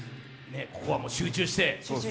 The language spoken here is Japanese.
ここは集中して。